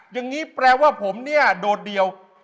อย่างนี้แปลว่าผมเนี่ยโดดเดียว